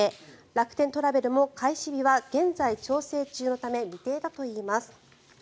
楽天トラベルも開始日は現在調整中のため未定だといいます。